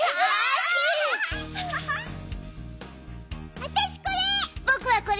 あたしこれ！